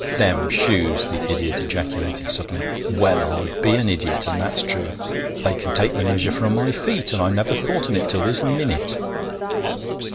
'Them shoes!' the idiot ejaculated suddenly. 'Well, I be an idiot, and that's true! They can take the measure from my feet, and I never thought on it till this minute!'